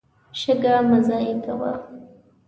شګه مه ضایع کوه.